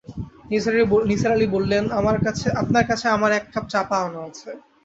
নিসার আলি বললেন, আপনার কাছে আমার এক কাপ চা পাওনা আছে।